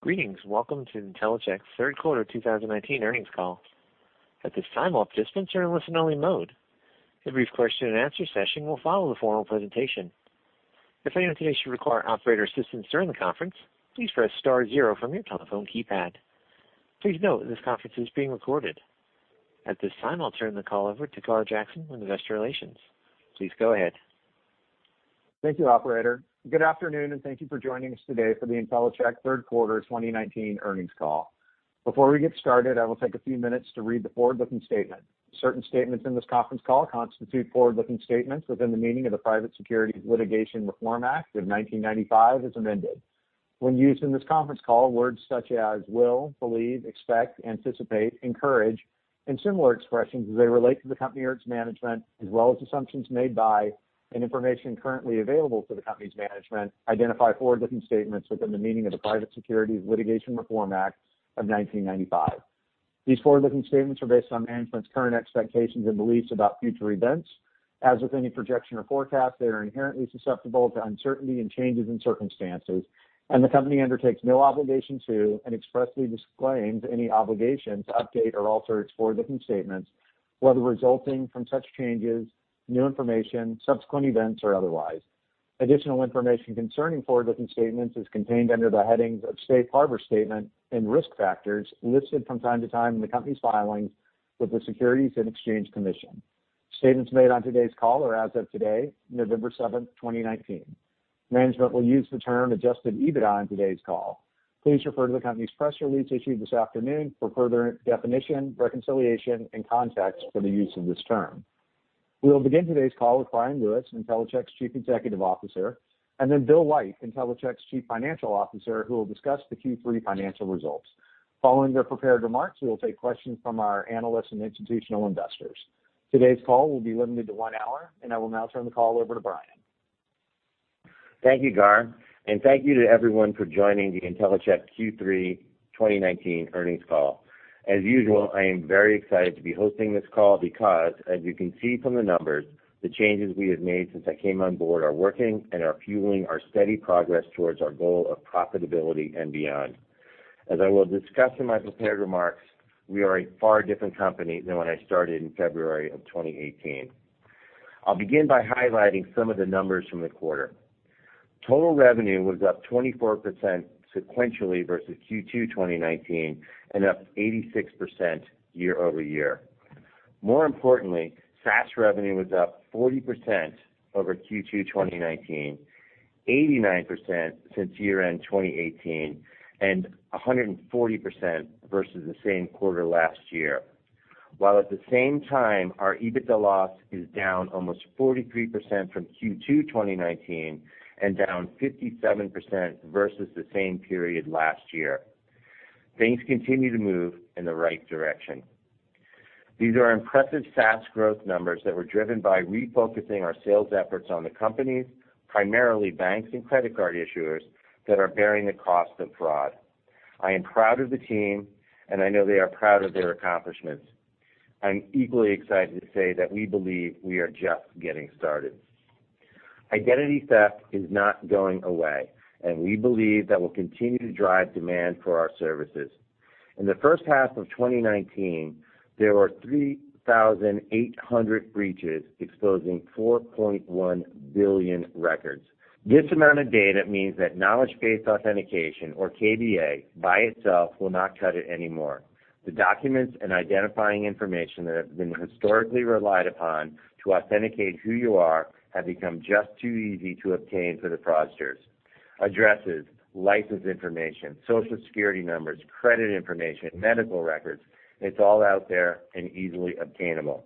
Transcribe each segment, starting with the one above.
Greetings. Welcome to Intellicheck's third quarter 2019 earnings call. At this time, all participants are in listen-only mode. A brief question-and-answer session will follow the formal presentation. If anyone today should require operator assistance during the conference, please press star zero from your telephone keypad. Please note this conference is being recorded. At this time, I'll turn the call over to Gar Jackson with investor relations. Please go ahead. Thank you, Operator. Good afternoon, and thank you for joining us today for the Intellicheck third quarter 2019 earnings call. Before we get started, I will take a few minutes to read the forward-looking statement. Certain statements in this conference call constitute forward-looking statements within the meaning of the Private Securities Litigation Reform Act of 1995, as amended. When used in this conference call, words such as will, believe, expect, anticipate, encourage, and similar expressions as they relate to the company or its management, as well as assumptions made by and information currently available to the company's management, identify forward-looking statements within the meaning of the Private Securities Litigation Reform Act of 1995. These forward-looking statements are based on management's current expectations and beliefs about future events. As with any projection or forecast, they are inherently susceptible to uncertainty and changes in circumstances, and the company undertakes no obligation to and expressly disclaims any obligation to update or alter its forward-looking statements, whether resulting from such changes, new information, subsequent events, or otherwise. Additional information concerning forward-looking statements is contained under the headings of Safe Harbor Statement and Risk Factors, listed from time to time in the company's filings with the Securities and Exchange Commission. Statements made on today's call are, as of today, November 7, 2019. Management will use the term Adjusted EBITDA on today's call. Please refer to the company's press release issued this afternoon for further definition, reconciliation, and context for the use of this term. We will begin today's call with Bryan Lewis, Intellicheck's Chief Executive Officer, and then Bill White, Intellicheck's Chief Financial Officer, who will discuss the Q3 financial results. Following their prepared remarks, we will take questions from our analysts and institutional investors. Today's call will be limited to one hour, and I will now turn the call over to Brian. Thank you, Gar, and thank you to everyone for joining the Intellicheck Q3 2019 earnings call. As usual, I am very excited to be hosting this call because, as you can see from the numbers, the changes we have made since I came on board are working and are fueling our steady progress towards our goal of profitability and beyond. As I will discuss in my prepared remarks, we are a far different company than when I started in February of 2018. I'll begin by highlighting some of the numbers from the quarter. Total revenue was up 24% sequentially versus Q2 2019 and up 86% year over year. More importantly, SaaS revenue was up 40% over Q2 2019, 89% since year-end 2018, and 140% versus the same quarter last year. While at the same time, our EBITDA loss is down almost 43% from Q2 2019 and down 57% versus the same period last year. Things continue to move in the right direction. These are impressive SaaS growth numbers that were driven by refocusing our sales efforts on the companies, primarily banks and credit card issuers, that are bearing the cost of fraud. I am proud of the team, and I know they are proud of their accomplishments. I'm equally excited to say that we believe we are just getting started. Identity theft is not going away, and we believe that will continue to drive demand for our services. In the first half of 2019, there were 3,800 breaches exposing 4.1 billion records. This amount of data means that knowledge-based authentication, or KBA, by itself will not cut it anymore. The documents and identifying information that have been historically relied upon to authenticate who you are have become just too easy to obtain for the fraudsters. Addresses, license information, Social Security numbers, credit information, medical records, it's all out there and easily obtainable.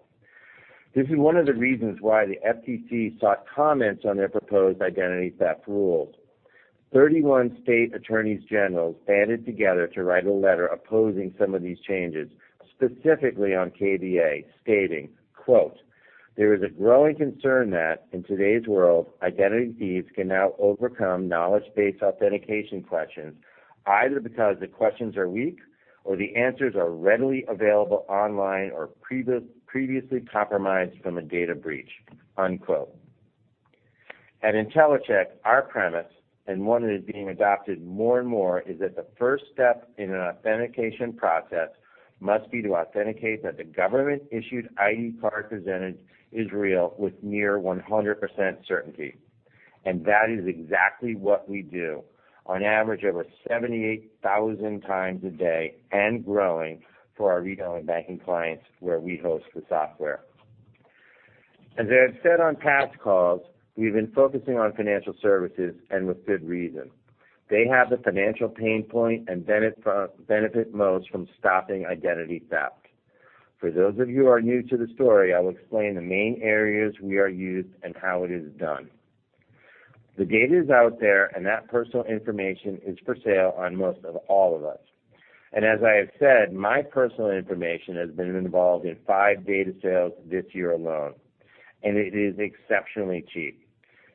This is one of the reasons why the FTC sought comments on their proposed identity theft rules. Thirty-one state attorneys general banded together to write a letter opposing some of these changes, specifically on KBA, stating, "There is a growing concern that, in today's world, identity thieves can now overcome knowledge-based authentication questions either because the questions are weak or the answers are readily available online or previously compromised from a data breach." At Intellicheck, our premise, and one that is being adopted more and more, is that the first step in an authentication process must be to authenticate that the government-issued ID card presented is real with near 100% certainty, and that is exactly what we do, on average over 78,000 times a day and growing for our retail and banking clients where we host the software. As I have said on past calls, we have been focusing on financial services, and with good reason. They have the financial pain point and benefit most from stopping identity theft. For those of you who are new to the story, I will explain the main areas we are used and how it is done. The data is out there, and that personal information is for sale on most of all of us. And as I have said, my personal information has been involved in five data sales this year alone, and it is exceptionally cheap.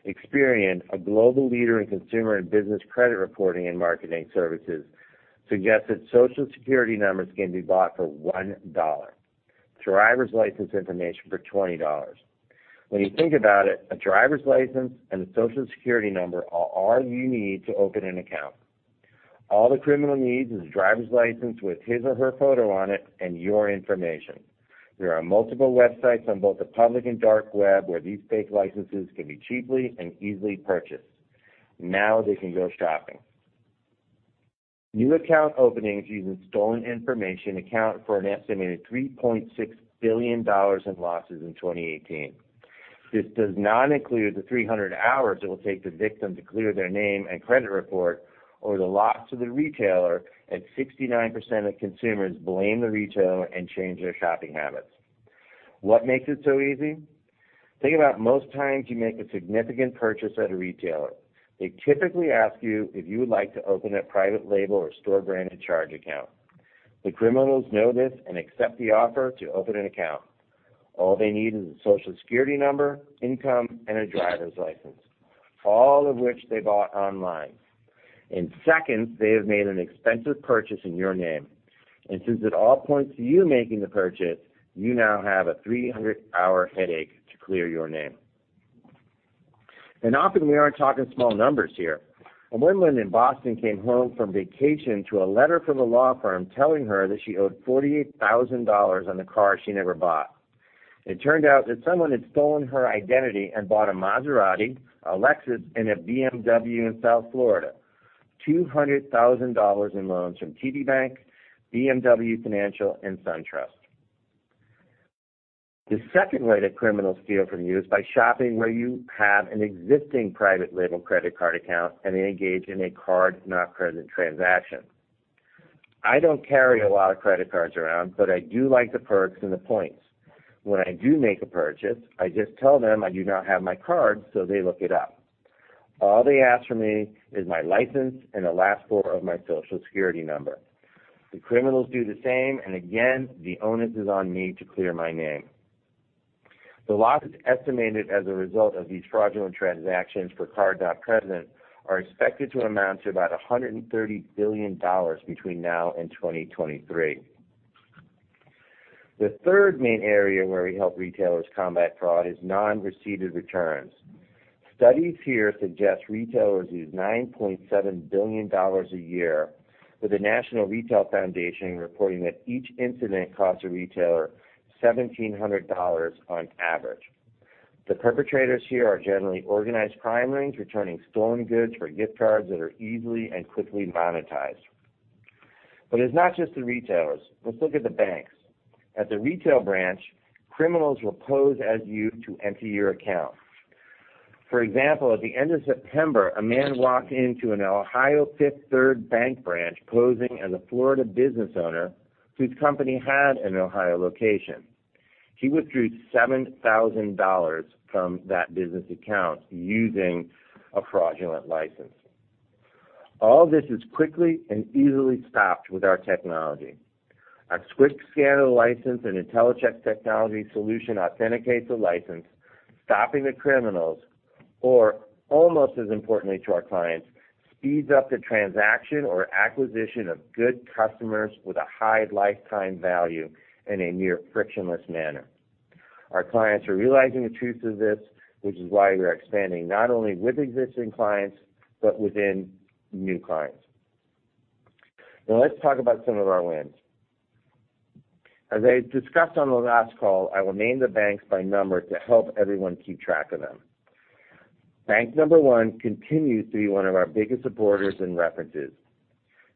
Experian, a global leader in consumer and business credit reporting and marketing services, suggests that Social Security numbers can be bought for $1. Driver's license information for $20. When you think about it, a driver's license and a Social Security number are all you need to open an account. All the criminal needs is a driver's license with his or her photo on it and your information. There are multiple websites on both the public and dark web where these fake licenses can be cheaply and easily purchased. Now they can go shopping. New account openings using stolen information account for an estimated $3.6 billion in losses in 2018. This does not include the 300 hours it will take the victim to clear their name and credit report or the loss to the retailer, and 69% of consumers blame the retailer and change their shopping habits. What makes it so easy? Think about most times you make a significant purchase at a retailer. They typically ask you if you would like to open a private label or store-branded charge account. The criminals know this and accept the offer to open an account. All they need is a Social Security number, income, and a driver's license, all of which they bought online. In seconds, they have made an expensive purchase in your name. And since it all points to you making the purchase, you now have a 300-hour headache to clear your name. And often we aren't talking small numbers here. A woman in Boston came home from vacation to a letter from a law firm telling her that she owed $48,000 on a car she never bought. It turned out that someone had stolen her identity and bought a Maserati, a Lexus, and a BMW in South Florida. $200,000 in loans from TD Bank, BMW Financial, and SunTrust. The second way that criminals steal from you is by shopping where you have an existing private label credit card account and they engage in a card-not-present transaction. I don't carry a lot of credit cards around, but I do like the perks and the points. When I do make a purchase, I just tell them I do not have my card so they look it up. All they ask from me is my license and the last four of my Social Security number. The criminals do the same, and again, the onus is on me to clear my name. The losses estimated as a result of these fraudulent transactions for card-not-present are expected to amount to about $130 billion between now and 2023. The third main area where we help retailers combat fraud is non-receipted returns. Studies here suggest retailers lose $9.7 billion a year, with the National Retail Federation reporting that each incident costs a retailer $1,700 on average. The perpetrators here are generally organized crime rings returning stolen goods for gift cards that are easily and quickly monetized. But it's not just the retailers. Let's look at the banks. At the retail branch, criminals will pose as you to empty your account. For example, at the end of September, a man walked into an Ohio Fifth Third Bank branch posing as a Florida business owner whose company had an Ohio location. He withdrew $7,000 from that business account using a fraudulent license. All this is quickly and easily stopped with our technology. A quick scanner license and Intellicheck's technology solution authenticates the license, stopping the criminals, or, almost as importantly to our clients, speeds up the transaction or acquisition of good customers with a high lifetime value in a near frictionless manner. Our clients are realizing the truth of this, which is why we are expanding not only with existing clients but within new clients. Now let's talk about some of our wins. As I discussed on the last call, I will name the banks by number to help everyone keep track of them. Bank number one continues to be one of our biggest supporters and references.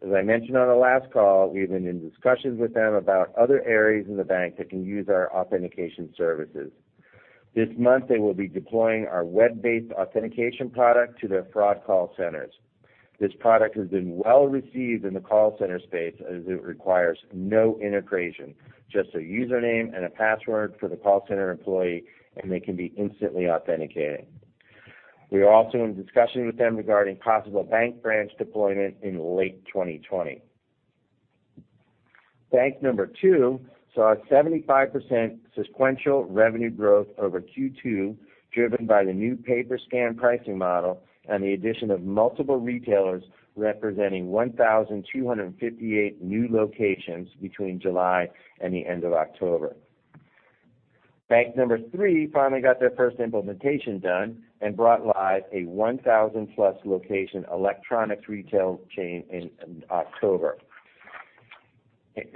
As I mentioned on the last call, we have been in discussions with them about other areas in the bank that can use our authentication services. This month, they will be deploying our web-based authentication product to their fraud call centers. This product has been well received in the call center space as it requires no integration, just a username and a password for the call center employee, and they can be instantly authenticated. We are also in discussion with them regarding possible bank branch deployment in late 2020. Bank number two saw a 75% sequential revenue growth over Q2 driven by the new paper scan pricing model and the addition of multiple retailers representing 1,258 new locations between July and the end of October. Bank number three finally got their first implementation done and brought live a 1,000-plus location electronics retail chain in October.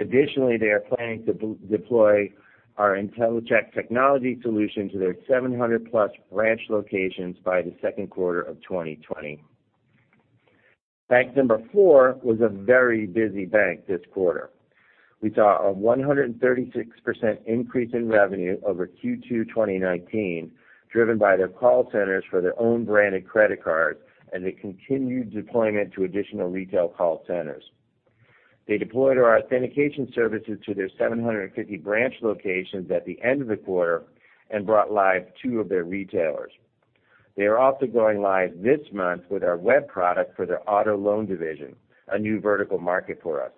Additionally, they are planning to deploy our Intellicheck technology solution to their 700-plus branch locations by the second quarter of 2020. Bank number four was a very busy bank this quarter. We saw a 136% increase in revenue over Q2 2019 driven by their call centers for their own branded credit cards and the continued deployment to additional retail call centers. They deployed our authentication services to their 750 branch locations at the end of the quarter and brought live two of their retailers. They are also going live this month with our web product for their auto loan division, a new vertical market for us.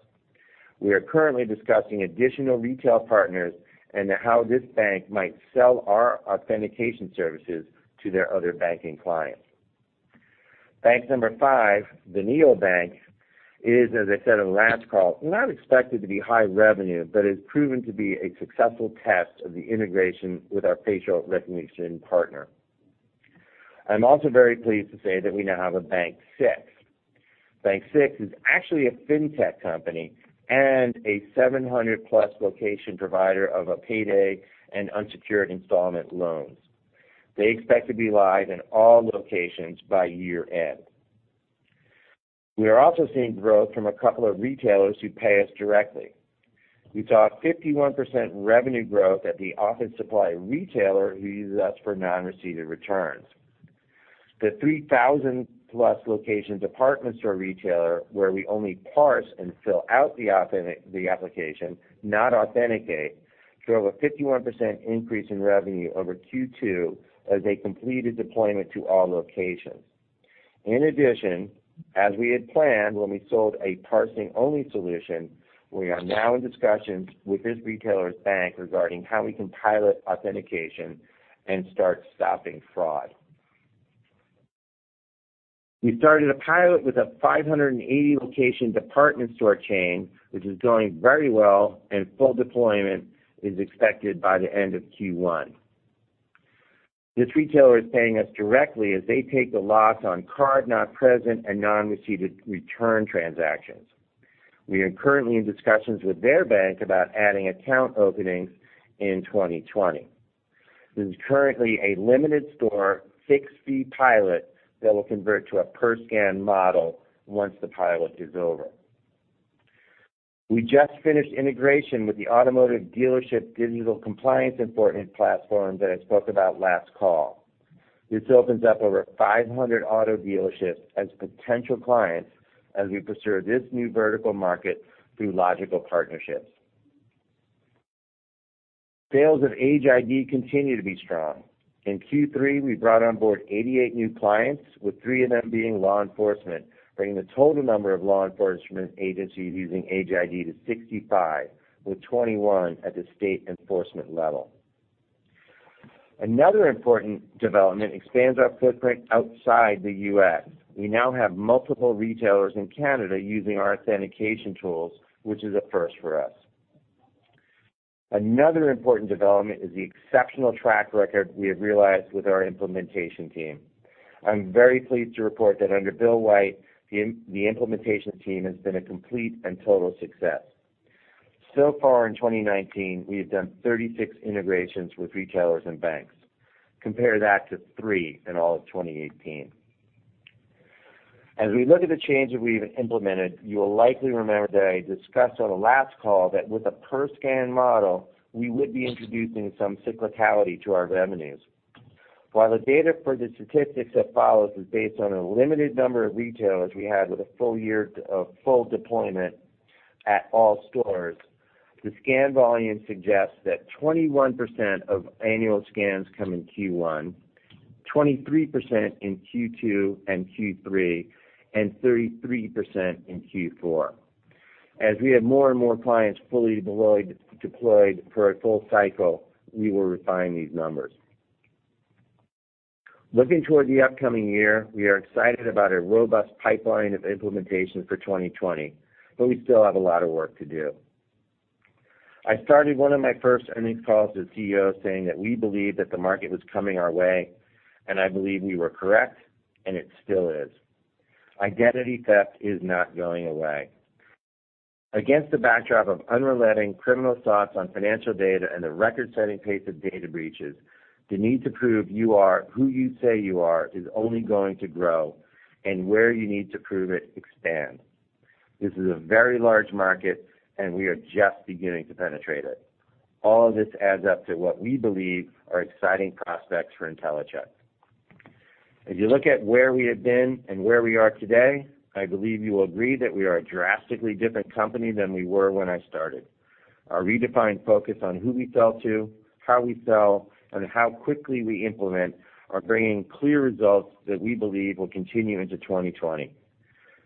We are currently discussing additional retail partners and how this bank might sell our authentication services to their other banking clients. Bank number five, Video Bank, is, as I said on the last call, not expected to be high revenue but has proven to be a successful test of the integration with our facial recognition partner. I'm also very pleased to say that we now have a Bank Six. Bank Six is actually a fintech company and a 700-plus location provider of payday and unsecured installment loans. They expect to be live in all locations by year-end. We are also seeing growth from a couple of retailers who pay us directly. We saw a 51% revenue growth at the Office Supply retailer who uses us for non-receipted returns. The 3,000-plus location department store retailer where we only parse and fill out the application, not authenticate, drove a 51% increase in revenue over Q2 as they completed deployment to all locations. In addition, as we had planned when we sold a parsing-only solution, we are now in discussions with this retailer's bank regarding how we can pilot authentication and start stopping fraud. We started a pilot with a 580-location department store chain, which is going very well, and full deployment is expected by the end of Q1. This retailer is paying us directly as they take the loss on card-not-present and non-receipted return transactions. We are currently in discussions with their bank about adding account openings in 2020. This is currently a limited store fixed-fee pilot that will convert to a per-scan model once the pilot is over. We just finished integration with the automotive dealership digital compliance enforcement platform that I spoke about last call. This opens up over 500 auto dealerships as potential clients as we pursue this new vertical market through logical partnerships. Sales of Age ID continue to be strong. In Q3, we brought on board 88 new clients, with three of them being law enforcement, bringing the total number of law enforcement agencies using Age ID to 65, with 21 at the state enforcement level. Another important development expands our footprint outside the U.S. We now have multiple retailers in Canada using our authentication tools, which is a first for us. Another important development is the exceptional track record we have realized with our implementation team. I'm very pleased to report that under Bill White, the implementation team has been a complete and total success. So far in 2019, we have done 36 integrations with retailers and banks. Compare that to three in all of 2018. As we look at the changes we have implemented, you will likely remember that I discussed on the last call that with a per-scan model, we would be introducing some cyclicality to our revenues. While the data for the statistics that follows is based on a limited number of retailers we had with a full deployment at all stores, the scan volume suggests that 21% of annual scans come in Q1, 23% in Q2 and Q3, and 33% in Q4. As we have more and more clients fully deployed for a full cycle, we will refine these numbers. Looking toward the upcoming year, we are excited about a robust pipeline of implementations for 2020, but we still have a lot of work to do. I started one of my first earnings calls as CEO saying that we believe that the market was coming our way, and I believe we were correct, and it still is. Identity theft is not going away. Against the backdrop of unrelenting criminal thoughts on financial data and the record-setting pace of data breaches, the need to prove you are who you say you are is only going to grow, and where you need to prove it expands. This is a very large market, and we are just beginning to penetrate it. All of this adds up to what we believe are exciting prospects for Intellicheck. As you look at where we have been and where we are today, I believe you will agree that we are a drastically different company than we were when I started. Our redefined focus on who we sell to, how we sell, and how quickly we implement are bringing clear results that we believe will continue into 2020.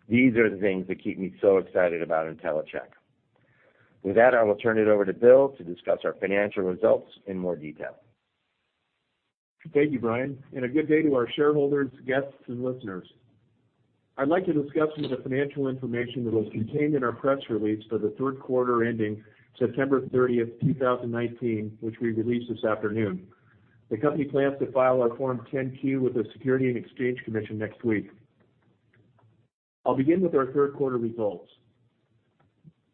These are the things that keep me so excited about Intellicheck. With that, I will turn it over to Bill to discuss our financial results in more detail. Thank you, Brian. A good day to our shareholders, guests, and listeners. I'd like to discuss some of the financial information that was contained in our press release for the third quarter ending September 30, 2019, which we released this afternoon. The company plans to file our Form 10-Q with the Securities and Exchange Commission next week. I'll begin with our third quarter results.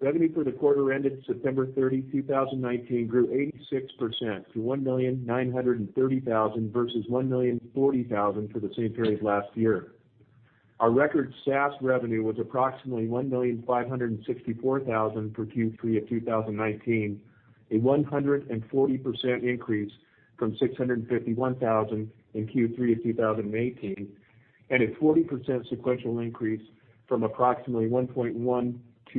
Revenue for the quarter ended September 30, 2019, grew 86% to $1,930,000 versus $1,040,000 for the same period last year. Our record SaaS revenue was approximately $1,564,000 for Q3 of 2019, a 140% increase from $651,000 in Q3 of 2018, and a 40% sequential increase from approximately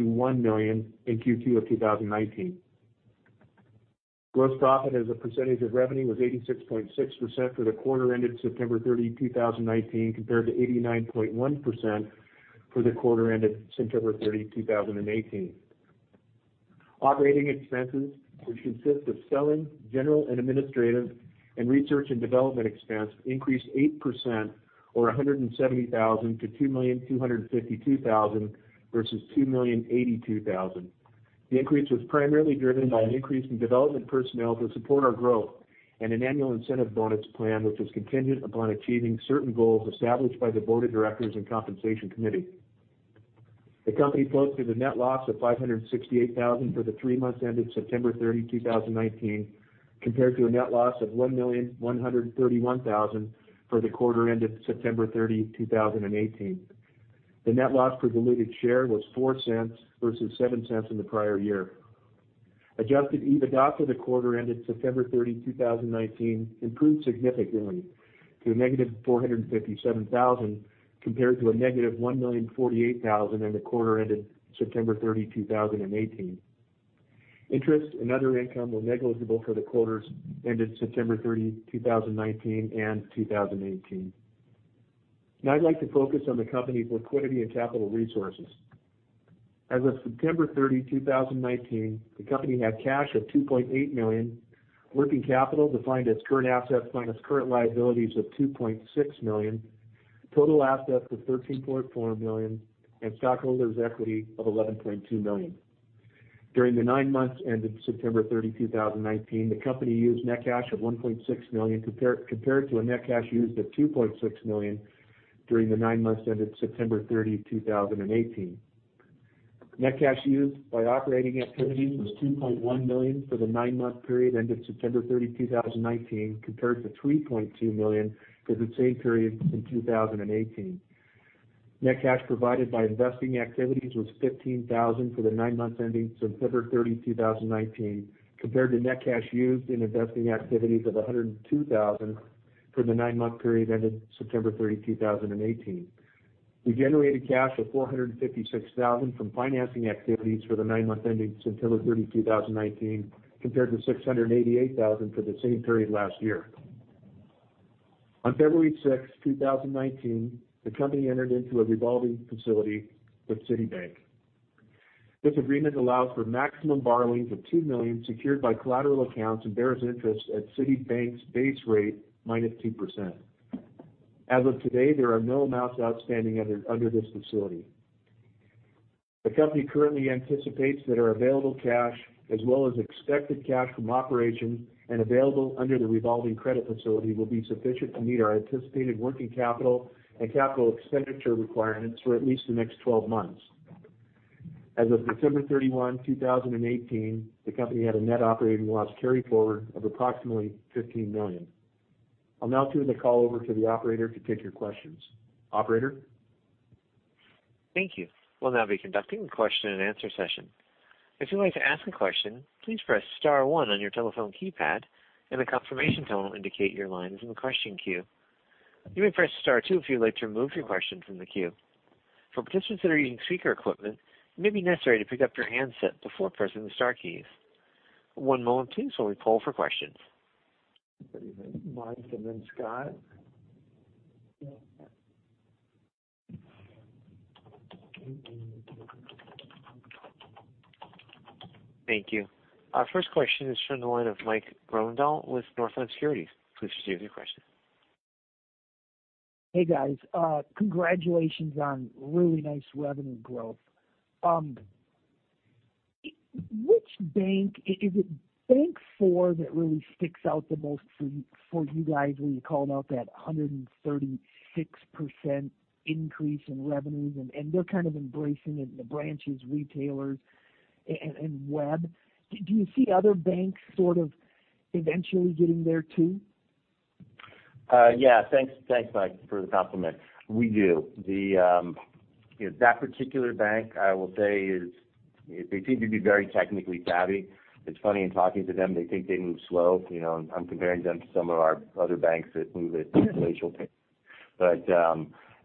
$1.1 million in Q2 of 2019. Gross profit as a percentage of revenue was 86.6% for the quarter ended September 30, 2019, compared to 89.1% for the quarter ended September 30, 2018. Operating expenses, which consist of selling, general and administrative, and research and development expense, increased 8%, or $170,000 to $2,252,000 versus $2,082,000. The increase was primarily driven by an increase in development personnel to support our growth and an annual incentive bonus plan, which was contingent upon achieving certain goals established by the Board of Directors and Compensation Committee. The company closed with a net loss of $568,000 for the three months ended September 30, 2019, compared to a net loss of $1,131,000 for the quarter ended September 30, 2018. The net loss per diluted share was $0.04 versus $0.07 in the prior year. Adjusted EBITDA for the quarter ended September 30, 2019, improved significantly to a negative $457,000 compared to a negative $1,048,000 in the quarter ended September 30, 2018. Interest and other income were negligible for the quarters ended September 30, 2019, and 2018. Now I'd like to focus on the company's liquidity and capital resources. As of September 30, 2019, the company had cash of $2.8 million, working capital defined as current assets minus current liabilities of $2.6 million, total assets of $13.4 million, and stockholders' equity of $11.2 million. During the nine months ended September 30, 2019, the company used net cash of $1.6 million compared to a net cash used of $2.6 million during the nine months ended September 30, 2018. Net cash used by operating activities was $2.1 million for the nine-month period ended September 30, 2019, compared to $3.2 million for the same period in 2018. Net cash provided by investing activities was $15,000 for the nine months ending September 30, 2019, compared to net cash used in investing activities of $102,000 for the nine-month period ended September 30, 2018. We generated cash of $456,000 from financing activities for the nine-month ending September 30, 2019, compared to $688,000 for the same period last year. On February 6, 2019, the company entered into a revolving facility with Citibank. This agreement allows for maximum borrowings of $2 million secured by collateral accounts and bears interest at Citibank's base rate minus 2%. As of today, there are no amounts outstanding under this facility. The company currently anticipates that our available cash, as well as expected cash from operations and available under the revolving credit facility, will be sufficient to meet our anticipated working capital and capital expenditure requirements for at least the next 12 months. As of December 31, 2018, the company had a net operating loss carry forward of approximately $15 million. I'll now turn the call over to the operator to take your questions. Operator? Thank you. We'll now be conducting the question-and-answer session. If you'd like to ask a question, please press Star 1 on your telephone keypad, and the confirmation tonal will indicate your line is in the question queue. You may press Star 2 if you'd like to remove your question from the queue. For participants that are using speaker equipment, it may be necessary to pick up your handset before pressing the Star keys. One moment, please, while we pull for questions. Mike and then Scott. Thank you. Our first question is from the line of Mike Grondahl with Northland Securities. Please proceed with your question. Hey, guys. Congratulations on really nice revenue growth. Which bank is it, Bank Four, that really sticks out the most for you guys when you call out that 136% increase in revenues, and they're kind of embracing it in the branches, retailers, and web. Do you see other banks sort of eventually getting there too? Yeah. Thanks, Mike, for the compliment. We do. That particular bank, I will say, they seem to be very technically savvy. It's funny in talking to them. They think they move slow. I'm comparing them to some of our other banks that move at glacial pace. But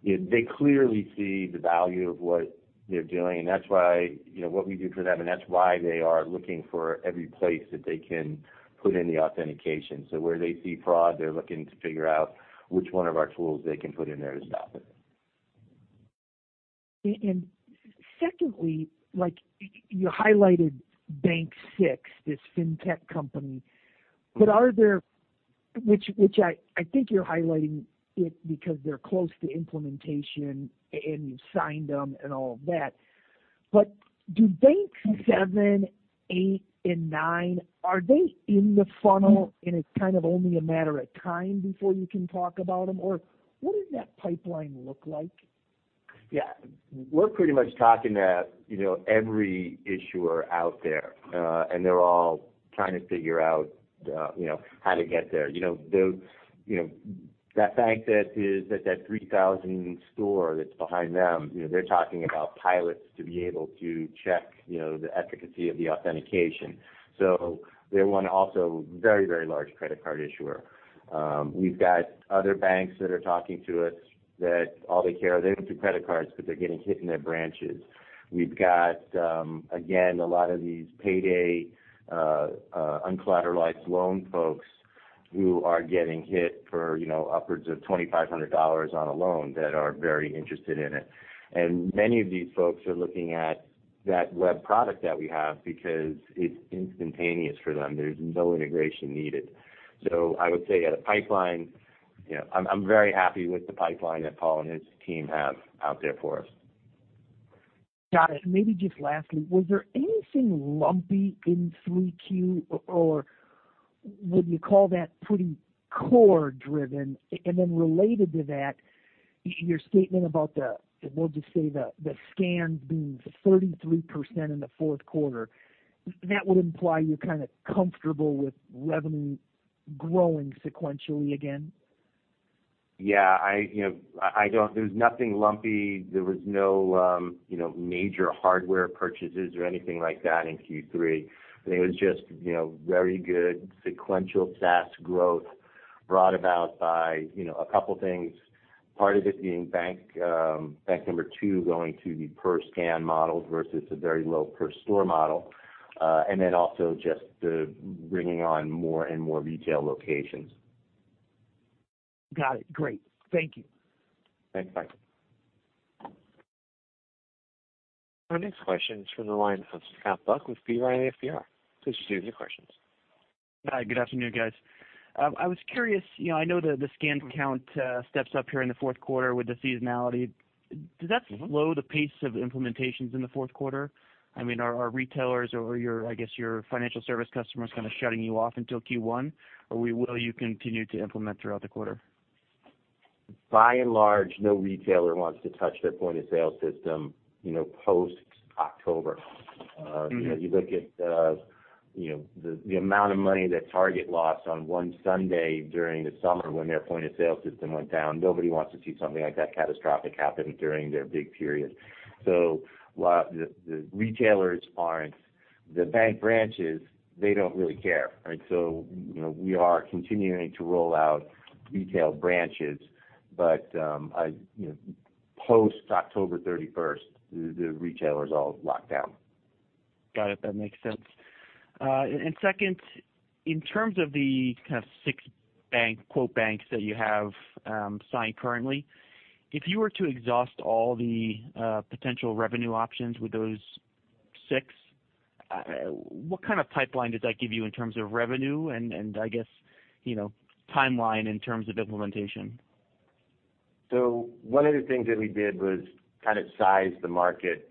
they clearly see the value of what they're doing, and that's why what we do for them, and that's why they are looking for every place that they can put in the authentication. So where they see fraud, they're looking to figure out which one of our tools they can put in there to stop it. Secondly, you highlighted Bank Six, this fintech company. Which I think you're highlighting it because they're close to implementation, and you've signed them and all of that. But do Bank Seven, Eight, and Nine, are they in the funnel, and it's kind of only a matter of time before you can talk about them? Or what does that pipeline look like? Yeah. We're pretty much talking to every issuer out there, and they're all trying to figure out how to get there. That bank that is at that 3,000 store that's behind them, they're talking about pilots to be able to check the efficacy of the authentication. So they're one also very, very large credit card issuer. We've got other banks that are talking to us that all they care are they don't do credit cards, but they're getting hit in their branches. We've got, again, a lot of these payday uncollateralized loan folks who are getting hit for upwards of $2,500 on a loan that are very interested in it. And many of these folks are looking at that web product that we have because it's instantaneous for them. There's no integration needed. I would say at a pipeline, I'm very happy with the pipeline that Paul and his team have out there for us. Got it. Maybe just lastly, was there anything lumpy in 3Q, or would you call that pretty core driven? And then related to that, your statement about the, we'll just say the scans being 33% in the fourth quarter, that would imply you're kind of comfortable with revenue growing sequentially again? Yeah. There's nothing lumpy. There was no major hardware purchases or anything like that in Q3. I think it was just very good sequential SaaS growth brought about by a couple of things, part of it being Bank Number Two going to the per-scan model versus a very low per-store model, and then also just the bringing on more and more retail locations. Got it. Great. Thank you. Thanks. Bye. Our next question is from the line of Scott Buck with B. Riley FBR. Please proceed with your questions. Hi. Good afternoon, guys. I was curious. I know the scan count steps up here in the fourth quarter with the seasonality. Does that slow the pace of implementations in the fourth quarter? I mean, are retailers or, I guess, your financial service customers kind of shutting you off until Q1, or will you continue to implement throughout the quarter? By and large, no retailer wants to touch their point of sale system post-October. You look at the amount of money that Target lost on one Sunday during the summer when their point of sale system went down. Nobody wants to see something like that catastrophic happen during their big period. So while the retailers aren't, the bank branches, they don't really care. And so we are continuing to roll out retail branches, but post-October 31st, the retailers all locked down. Got it. That makes sense. And second, in terms of the kind of six bank quote banks that you have signed currently, if you were to exhaust all the potential revenue options with those six, what kind of pipeline does that give you in terms of revenue and, I guess, timeline in terms of implementation? One of the things that we did was kind of size the market,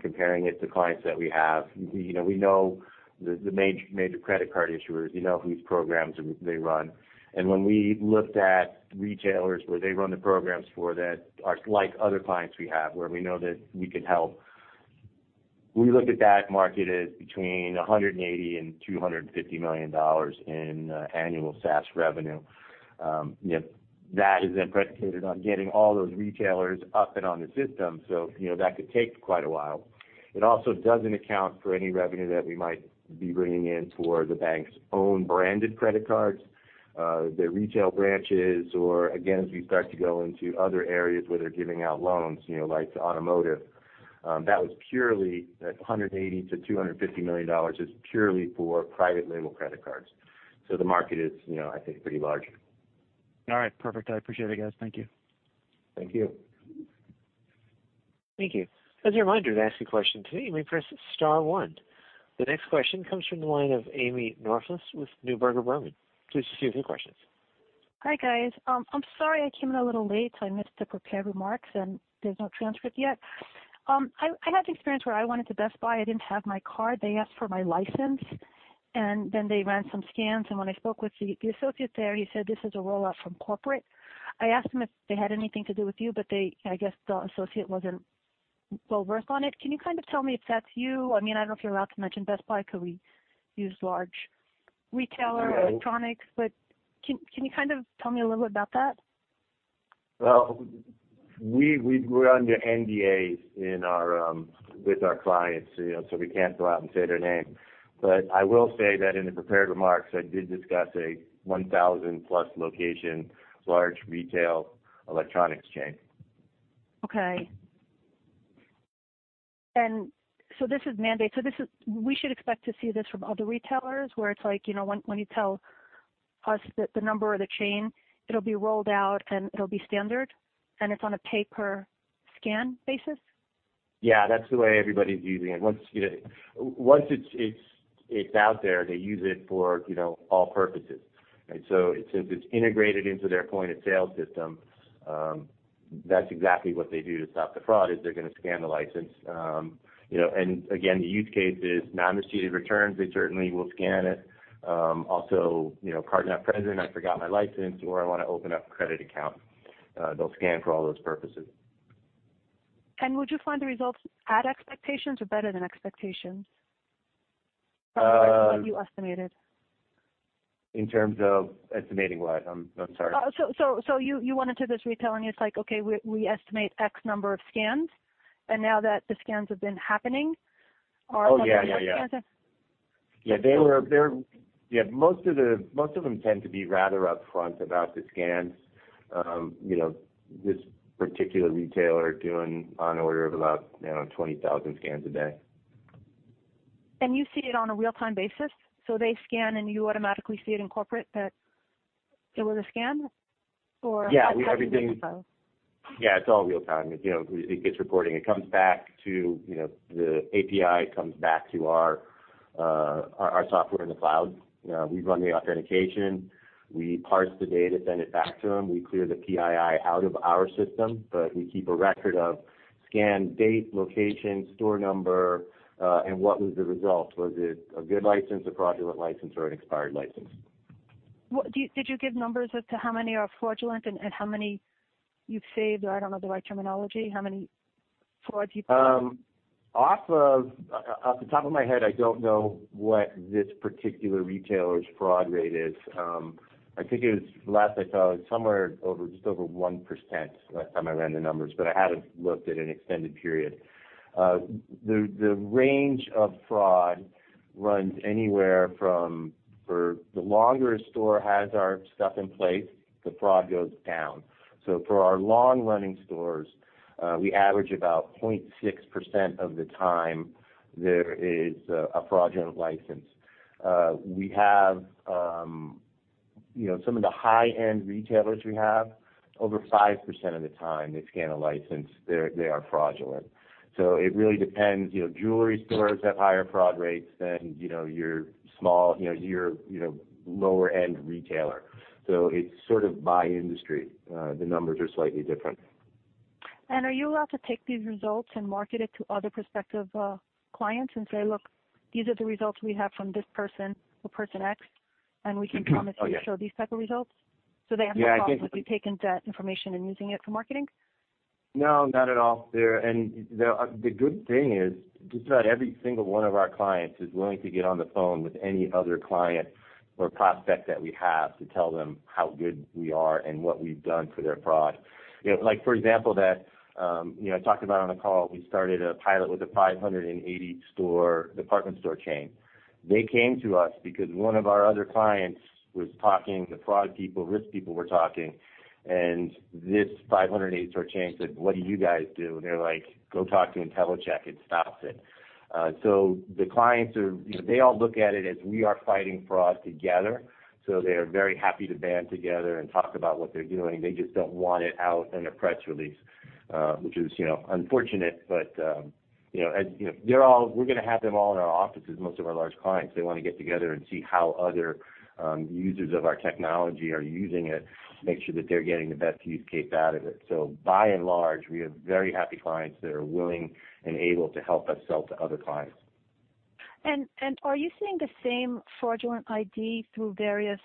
comparing it to clients that we have. We know the major credit card issuers. You know whose programs they run. And when we looked at retailers where they run the programs for that are like other clients we have, where we know that we can help, we looked at that market as between $180-$250 million in annual SaaS revenue. That is then predicated on getting all those retailers up and on the system, so that could take quite a while. It also doesn't account for any revenue that we might be bringing in for the bank's own branded credit cards, their retail branches, or, again, as we start to go into other areas where they're giving out loans, like automotive. That was purely that $180-$250 million is purely for private label credit cards. So the market is, I think, pretty large. All right. Perfect. I appreciate it, guys. Thank you. Thank you. Thank you. As a reminder to ask a question today, you may press Star 1. The next question comes from the line of Amy Norflus with Neuberger Berman. Please proceed with your questions. Hi, guys. I'm sorry I came in a little late. I missed the prepared remarks, and there's no transcript yet. I had an experience where I went to Best Buy. I didn't have my card. They asked for my license, and then they ran some scans, and when I spoke with the associate there, he said, "This is a roll-out from corporate." I asked him if they had anything to do with you, but I guess the associate wasn't well-versed on it. Can you kind of tell me if that's you? I mean, I don't know if you're allowed to mention Best Buy because we use large retailers, electronics, but can you kind of tell me a little bit about that? We run the NDAs with our clients, so we can't go out and say their name. But I will say that in the prepared remarks, I did discuss a 1,000-plus location large retail electronics chain. Okay. And so this is mandated. So we should expect to see this from other retailers where it's like when you tell us the number or the chain, it'll be rolled out and it'll be standard, and it's on a paper scan basis? Yeah. That's the way everybody's using it. Once it's out there, they use it for all purposes. And so since it's integrated into their point of sale system, that's exactly what they do to stop the fraud is they're going to scan the license. And again, the use case is non-receipted returns. They certainly will scan it. Also, card not present, I forgot my license, or I want to open up credit accounts. They'll scan for all those purposes. Would you find the results at expectations or better than expectations from what you estimated? In terms of estimating what? I'm sorry. So you went into this retail and it's like, "Okay, we estimate X number of scans," and now that the scans have been happening, are they better than expected? Oh, yeah. Most of them tend to be rather upfront about the scans. This particular retailer is doing on order of about 20,000 scans a day. You see it on a real-time basis? So they scan and you automatically see it in corporate that it was a scan or everything? Yeah. It's all real-time. It gets reporting. It comes back to the API, it comes back to our software in the cloud. We run the authentication. We parse the data, send it back to them. We clear the PII out of our system, but we keep a record of scan date, location, store number, and what was the result? Was it a good license, a fraudulent license, or an expired license? Did you give numbers as to how many are fraudulent and how many you've saved or, I don't know the right terminology, how many frauds you've saved? Off the top of my head, I don't know what this particular retailer's fraud rate is. I think it was last I saw, it was somewhere just over one% last time I ran the numbers, but I haven't looked at an extended period. The range of fraud runs anywhere from for the longer a store has our stuff in place, the fraud goes down. So for our long-running stores, we average about 0.6% of the time there is a fraudulent license. We have some of the high-end retailers we have, over five% of the time they scan a license, they are fraudulent. So it really depends. Jewelry stores have higher fraud rates than your small, your lower-end retailer. So it's sort of by industry. The numbers are slightly different. Are you allowed to take these results and market it to other prospective clients and say, "Look, these are the results we have from this person or person X, and we can promise you to show these type of results"? They have to come up with and be taking that information and using it for marketing? No, not at all. And the good thing is just about every single one of our clients is willing to get on the phone with any other client or prospect that we have to tell them how good we are and what we've done for their fraud. For example, that I talked about on a call, we started a pilot with a 580-store department store chain. They came to us because one of our other clients was talking, the fraud people, risk people were talking, and this 580-store chain said, "What do you guys do?" And they're like, "Go talk to Intellicheck and stop it." So the clients, they all look at it as we are fighting fraud together. So they are very happy to band together and talk about what they're doing. They just don't want it out in a press release, which is unfortunate, but as we're going to have them all in our offices, most of our large clients, they want to get together and see how other users of our technology are using it to make sure that they're getting the best use case out of it. So by and large, we have very happy clients that are willing and able to help us sell to other clients. And are you seeing the same fraudulent ID through various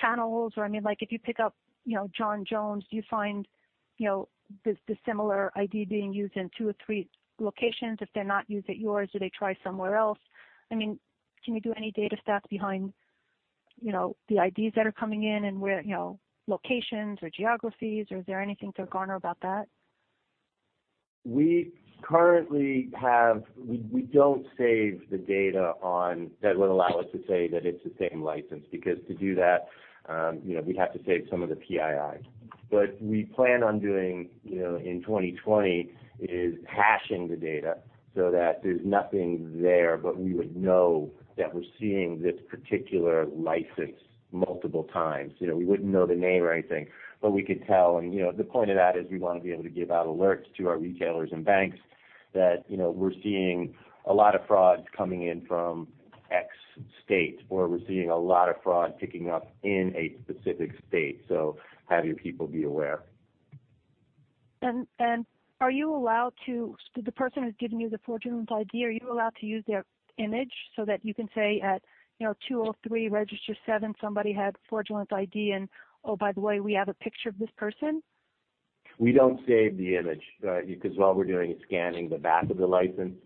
channels? Or I mean, if you pick up John Jones, do you find the similar ID being used in two or three locations? If they're not used at yours, do they try somewhere else? I mean, can you do any data stats behind the IDs that are coming in and where locations or geographies, or is there anything to garner about that? We currently have; we don't save the data that would allow us to say that it's the same license because to do that, we have to save some of the PII. But what we plan on doing in 2020 is hashing the data so that there's nothing there, but we would know that we're seeing this particular license multiple times. We wouldn't know the name or anything, but we could tell. And the point of that is we want to be able to give out alerts to our retailers and banks that we're seeing a lot of fraud coming in from X state, or we're seeing a lot of fraud picking up in a specific state. So have your people be aware. Are you allowed to, the person who's giving you the fraudulent ID, are you allowed to use their image so that you can say at 203 Register 7, somebody had fraudulent ID and, "Oh, by the way, we have a picture of this person"? We don't save the image because all we're doing is scanning the back of the license.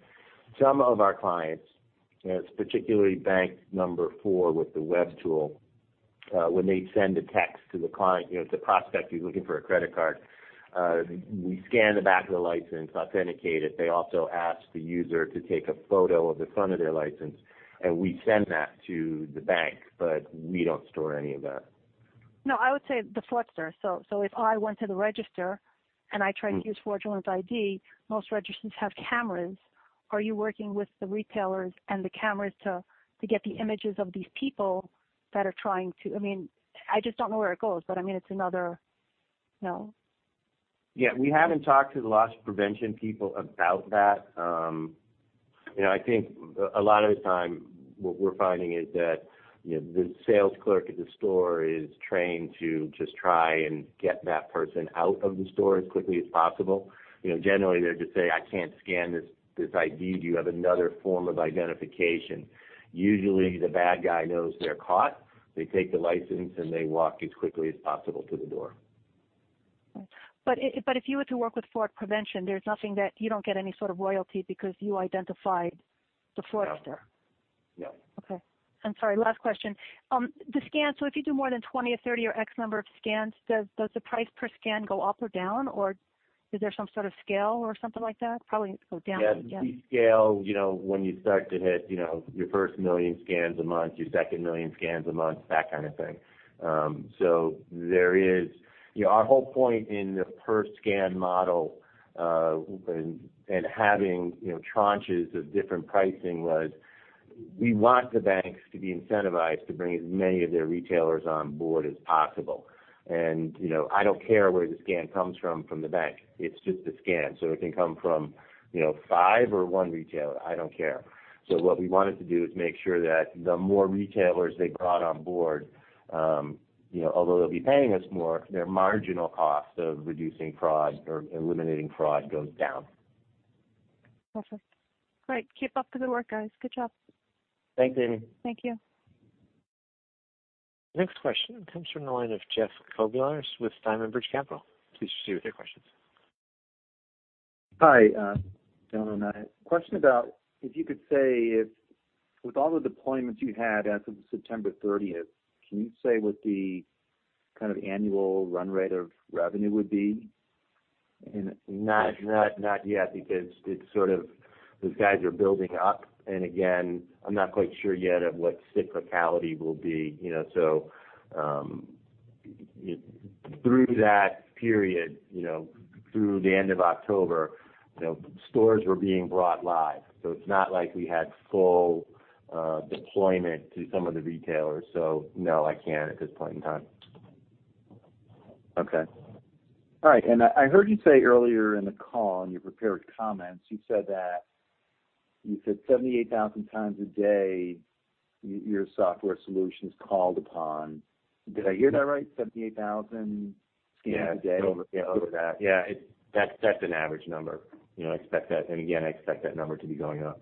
Some of our clients, particularly Fifth Third Bank with the web tool, when they send a text to the client, the prospect who's looking for a credit card, we scan the back of the license, authenticate it. They also ask the user to take a photo of the front of their license, and we send that to the bank, but we don't store any of that. No, I would say the picture. So if I went to the register and I tried to use fraudulent ID, most registers have cameras. Are you working with the retailers and the cameras to get the images of these people that are trying to? I mean, I just don't know where it goes, but I mean, it's another. Yeah. We haven't talked to the loss prevention people about that. I think a lot of the time what we're finding is that the sales clerk at the store is trained to just try and get that person out of the store as quickly as possible. Generally, they're just saying, "I can't scan this ID. Do you have another form of identification?" Usually, the bad guy knows they're caught. They take the license and they walk as quickly as possible to the door. But if you were to work with fraud prevention, there's nothing that you don't get any sort of royalty because you identified the fraudster? No. No. Okay. And sorry, last question. The scans, so if you do more than 20 or 30 or X number of scans, does the price per scan go up or down, or is there some sort of scale or something like that? Probably go down. Yeah. It's a scale when you start to hit your first million scans a month, your second million scans a month, that kind of thing. So there is our whole point in the per-scan model and having tranches of different pricing was we want the banks to be incentivized to bring as many of their retailers on board as possible. And I don't care where the scan comes from the bank. It's just a scan. So it can come from five or one retailer. I don't care. So what we wanted to do is make sure that the more retailers they brought on board, although they'll be paying us more, their marginal cost of reducing fraud or eliminating fraud goes down. Perfect. Great. Keep up the good work, guys. Good job. Thanks, Amy. Thank you. Next question comes from the line of Jeff Kobylarz with Diamond Bridge Capital. Please proceed with your questions. Hi, gentlemen. My question about if you could say if with all the deployments you had as of September 30th, can you say what the kind of annual run rate of revenue would be? Not yet because it's sort of those guys are building up. And again, I'm not quite sure yet of what cyclicality will be. So through that period, through the end of October, stores were being brought live. So it's not like we had full deployment to some of the retailers. So no, I can't at this point in time. Okay. All right. And I heard you say earlier in the call and your prepared comments, you said that you said 78,000 times a day, your software solution is called upon. Did I hear that right? 78,000 scans a day? Yeah. Over that. Yeah. That's an average number. I expect that. And again, I expect that number to be going up.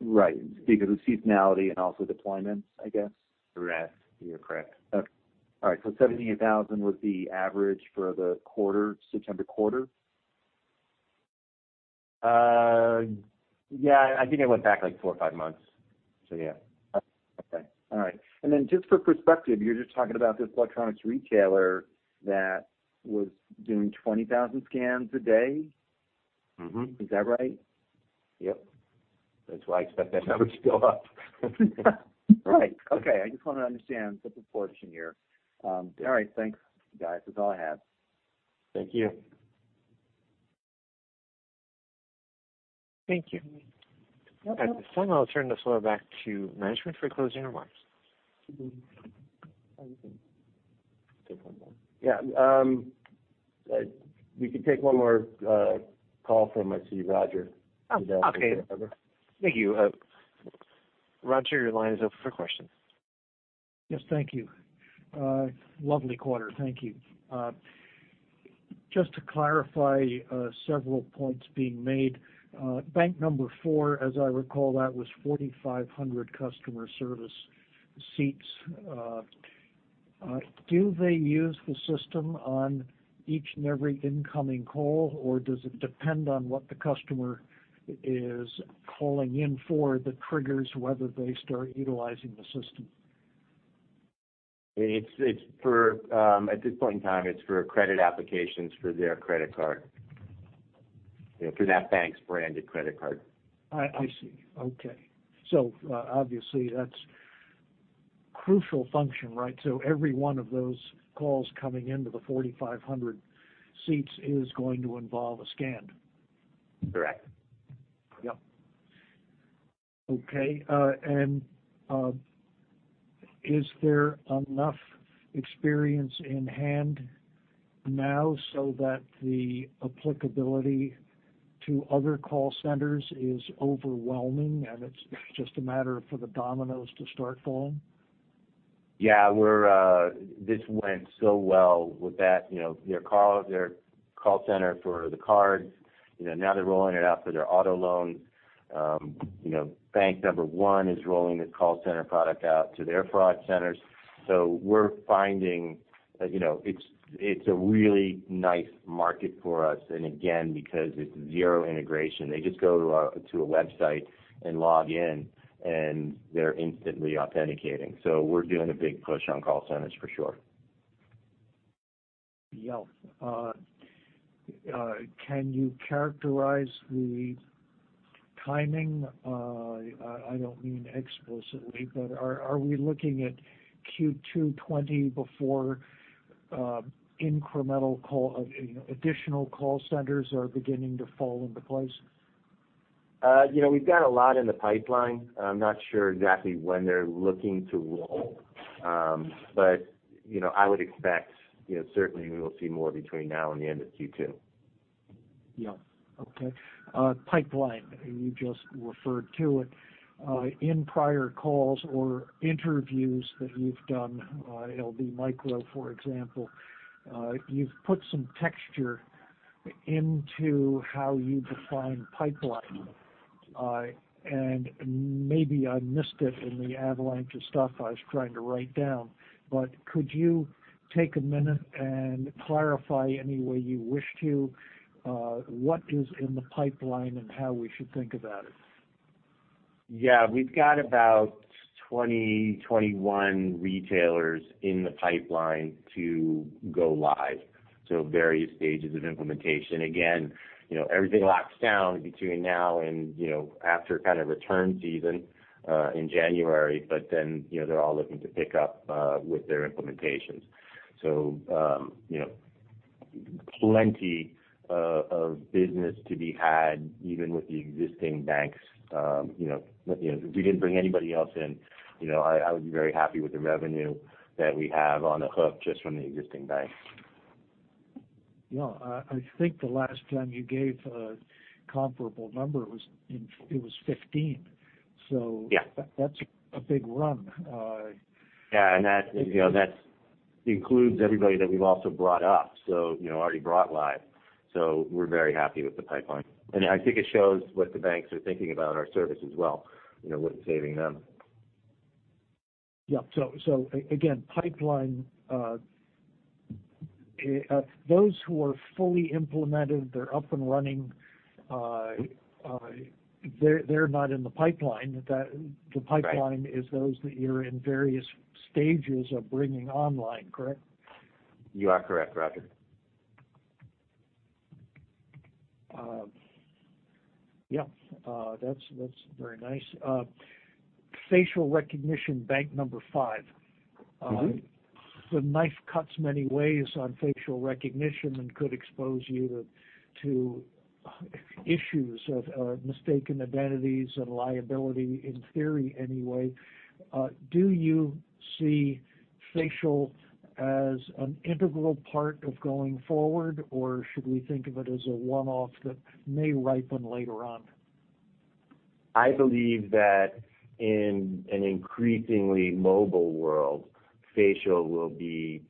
Right. Because of seasonality and also deployments, I guess? Correct. You're correct. All right. So 78,000 was the average for the quarter, September quarter? Yeah. I think it went back like four or five months. So yeah. Okay. All right. And then just for perspective, you're just talking about this electronics retailer that was doing 20,000 scans a day. Is that right? Yep. That's why I expect that number to go up. Right. Okay. I just want to understand the proportion here. All right. Thanks, guys. That's all I have. Thank you. Thank you. At this time, I'll turn this over back to management for closing remarks. Yeah. We could take one more call from, I see, Roger. Thank you. Roger, your line is open for questions. Yes. Thank you. Lovely quarter. Thank you. Just to clarify several points being made. Bank Number Four, as I recall, that was 4,500 customer service seats. Do they use the system on each and every incoming call, or does it depend on what the customer is calling in for that triggers whether they start utilizing the system? It's for, at this point in time, it's for credit applications for their credit card, for that bank's branded credit card. I see. Okay. So obviously, that's a crucial function, right? So every one of those calls coming into the 4,500 seats is going to involve a scan. Correct. Yep. Okay. And is there enough experience in hand now so that the applicability to other call centers is overwhelming and it's just a matter for the dominoes to start falling? Yeah. This went so well with that. Their call center for the cards, now they're rolling it out for their auto loans. Bank Number One is rolling this call center product out to their fraud centers. So we're finding it's a really nice market for us. And again, because it's zero integration, they just go to a website and log in, and they're instantly authenticating. So we're doing a big push on call centers for sure. Yep. Can you characterize the timing? I don't mean explicitly, but are we looking at Q2 2020 before incremental additional call centers are beginning to fall into place? We've got a lot in the pipeline. I'm not sure exactly when they're looking to roll, but I would expect certainly we will see more between now and the end of Q2. Yep. Okay. Pipeline, you just referred to it. In prior calls or interviews that you've done, LD Micro, for example, you've put some texture into how you define pipeline. And maybe I missed it in the avalanche of stuff I was trying to write down, but could you take a minute and clarify any way you wish to what is in the pipeline and how we should think about it? Yeah. We've got about 20, 21 retailers in the pipeline to go live. So various stages of implementation. Again, everything locks down between now and after kind of return season in January, but then they're all looking to pick up with their implementations. So plenty of business to be had even with the existing banks. If we didn't bring anybody else in, I would be very happy with the revenue that we have on the hook just from the existing bank. Yeah. I think the last time you gave a comparable number, it was 15, so that's a big run. Yeah. And that includes everybody that we've also brought up, so already brought live. So we're very happy with the pipeline. And I think it shows what the banks are thinking about our service as well, what's saving them. Yep. So again, pipeline, those who are fully implemented, they're up and running, they're not in the pipeline. The pipeline is those that you're in various stages of bringing online, correct? You are correct, Roger. Yep. That's very nice. Facial recognition, Fifth Third Bank. The knife cuts many ways on facial recognition and could expose you to issues of mistaken identities and liability, in theory, anyway. Do you see facial as an integral part of going forward, or should we think of it as a one-off that may ripen later on? I believe that in an increasingly mobile world, facial will be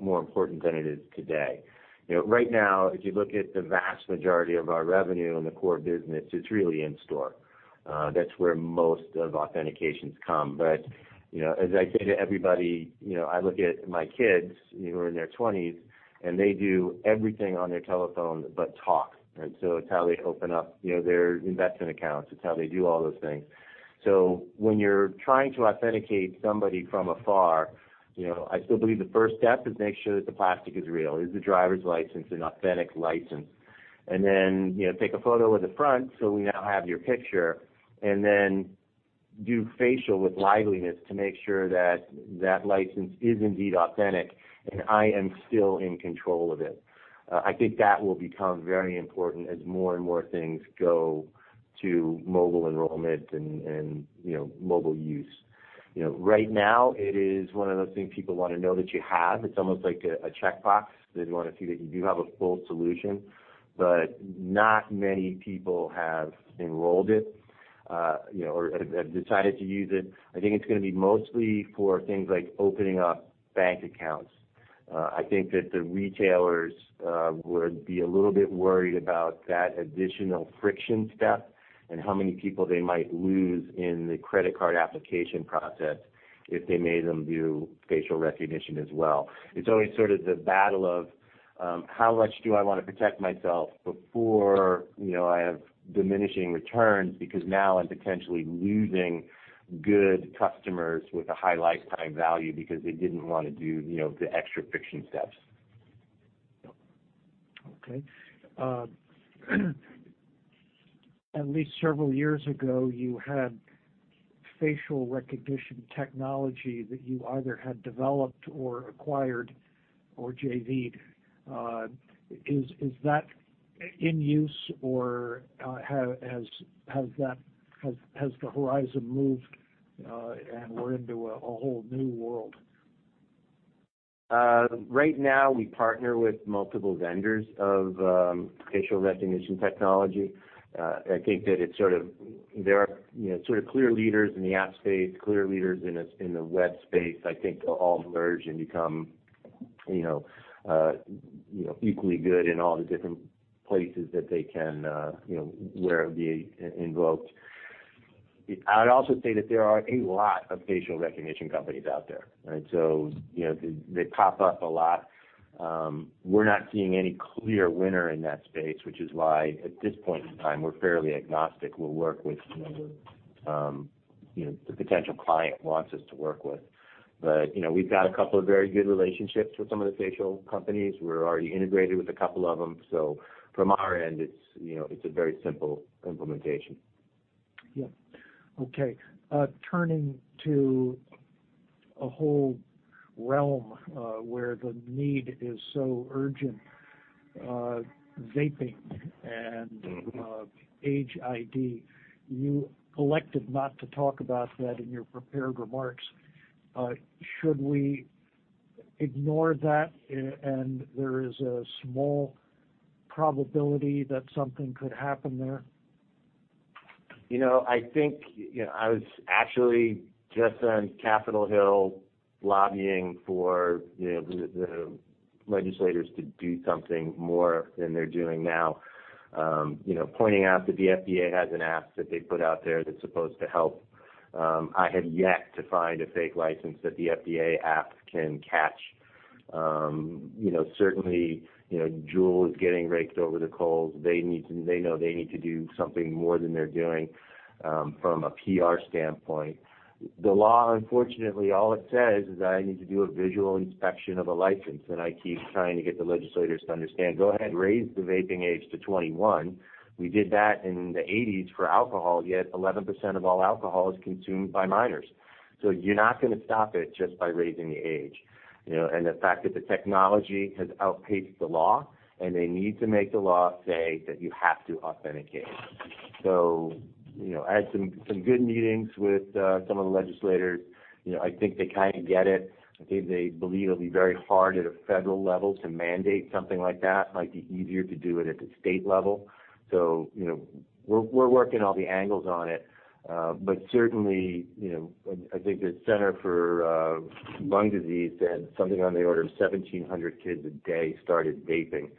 more important than it is today. Right now, if you look at the vast majority of our revenue and the core business, it's really in store. That's where most of authentications come. But as I say to everybody, I look at my kids who are in their 20s, and they do everything on their telephone but talk. And so it's how they open up their investment accounts. It's how they do all those things. So when you're trying to authenticate somebody from afar, I still believe the first step is to make sure that the plastic is real. Is the driver's license an authentic license? And then take a photo of the front so we now have your picture. And then do facial with liveness to make sure that that license is indeed authentic and I am still in control of it. I think that will become very important as more and more things go to mobile enrollment and mobile use. Right now, it is one of those things people want to know that you have. It's almost like a checkbox that they want to see that you do have a full solution, but not many people have enrolled it or have decided to use it. I think it's going to be mostly for things like opening up bank accounts. I think that the retailers would be a little bit worried about that additional friction step and how many people they might lose in the credit card application process if they made them do facial recognition as well. It's always sort of the battle of how much do I want to protect myself before I have diminishing returns because now I'm potentially losing good customers with a high lifetime value because they didn't want to do the extra friction steps. Okay. At least several years ago, you had facial recognition technology that you either had developed or acquired or JV'd. Is that in use, or has the horizon moved and we're into a whole new world? Right now, we partner with multiple vendors of facial recognition technology. I think that there are sort of clear leaders in the app space, clear leaders in the web space. I think they'll all merge and become equally good in all the different places that they can where it'll be invoked. I'd also say that there are a lot of facial recognition companies out there, right? So they pop up a lot. We're not seeing any clear winner in that space, which is why at this point in time, we're fairly agnostic. We'll work with whoever the potential client wants us to work with. But we've got a couple of very good relationships with some of the facial companies. We're already integrated with a couple of them. So from our end, it's a very simple implementation. Yep. Okay. Turning to a whole realm where the need is so urgent, vaping and HID. You elected not to talk about that in your prepared remarks. Should we ignore that, and there is a small probability that something could happen there? I think I was actually just on Capitol Hill lobbying for the legislators to do something more than they're doing now, pointing out that the FDA has an app that they put out there that's supposed to help. I have yet to find a fake license that the FDA app can catch. Certainly, Juul is getting raked over the coals. They know they need to do something more than they're doing from a PR standpoint. The law, unfortunately, all it says is I need to do a visual inspection of a license, and I keep trying to get the legislators to understand, "Go ahead, raise the vaping age to 21." We did that in the 1980s for alcohol, yet 11% of all alcohol is consumed by minors, so you're not going to stop it just by raising the age. The fact that the technology has outpaced the law, and they need to make the law say that you have to authenticate. I had some good meetings with some of the legislators. I think they kind of get it. I think they believe it'll be very hard at a federal level to mandate something like that. It might be easier to do it at the state level. We're working all the angles on it. But certainly, I think the Center for Lung Disease said something on the order of 1,700 kids a day started vaping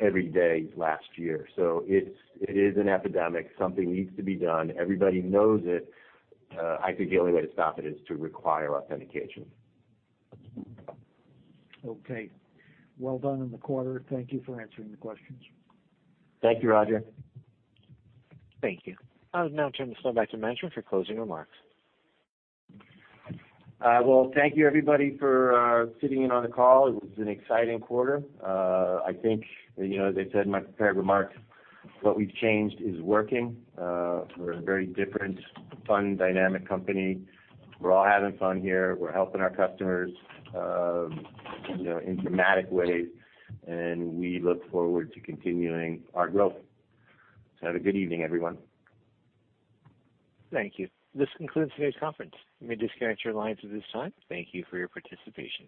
every day last year. It is an epidemic. Something needs to be done. Everybody knows it. I think the only way to stop it is to require authentication. Okay. Well done in the quarter. Thank you for answering the questions. Thank you, Roger. Thank you. I'll now turn this over back to management for closing remarks. Thank you, everybody, for sitting in on the call. It was an exciting quarter. I think, as I said in my prepared remarks, what we've changed is working. We're a very different, fun, dynamic company. We're all having fun here. We're helping our customers in dramatic ways. We look forward to continuing our growth. Have a good evening, everyone. Thank you. This concludes today's conference. You may disconnect your lines at this time. Thank you for your participation.